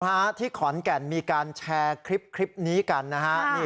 ฮะที่ขอนแก่นมีการแชร์คลิปนี้กันนะฮะ